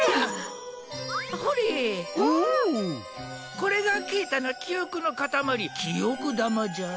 これがケータの記憶の塊記憶玉じゃ。